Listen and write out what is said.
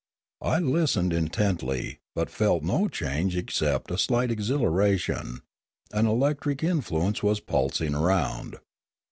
I listened intently, but felt no change ex cept a slight exhilaration; an electric influence was pulsing around.